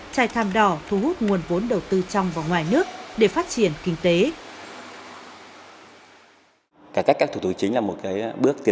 trải tham đỏ thu hút nguồn vốn đầu tư trong và ngoài nước để phát triển kinh tế